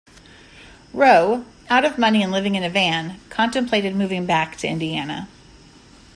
Roe, out of money and living in a van, contemplated moving back to Indiana.